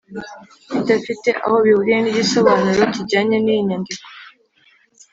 bidafite aho bihuriye n' igisobanuro kijyanye n' iyi nyandiko.